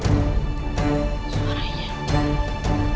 ada cerita kan